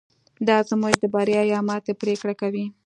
دا زموږ د بریا یا ماتې پرېکړه کوي.